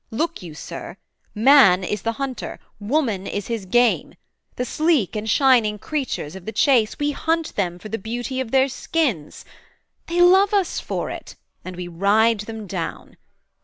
Look you, Sir! Man is the hunter; woman is his game: The sleek and shining creatures of the chase, We hunt them for the beauty of their skins; They love us for it, and we ride them down.